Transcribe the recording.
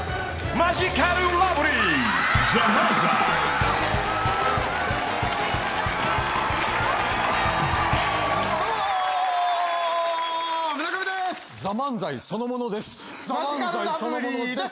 マヂカルラブリーです。